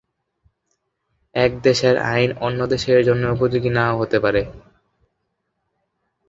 এক দেশের আইন, অন্য দেশের জন্যে উপযোগী না-ও হতে পারে।